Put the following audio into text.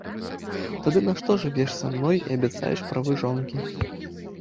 Тады нашто жывеш са мной і абяцаеш правы жонкі?